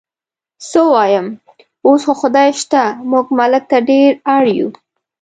څه ووایم، اوس خو خدای شته موږ ملک ته ډېر اړ یو.